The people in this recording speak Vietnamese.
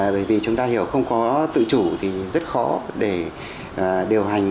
bởi vì chúng ta hiểu không có tự chủ thì rất khó để điều hành